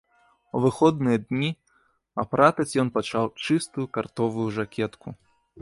У выходныя дні апратаць ён пачаў чыстую картовую жакетку.